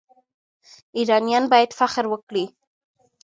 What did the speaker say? ایرانیان باید فخر وکړي.